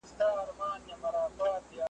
یو څو ورځي په کلا کي ورته تم سو ,